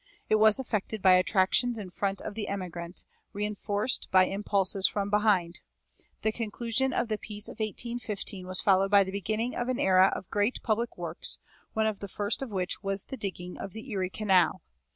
It was effected by attractions in front of the emigrant, reinforced by impulses from behind. The conclusion of the peace of 1815 was followed by the beginning of an era of great public works, one of the first of which was the digging of the Erie Canal.